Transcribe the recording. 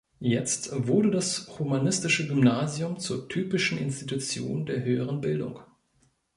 Jetzt wurde das humanistische Gymnasium zur typischen Institution der höheren Bildung.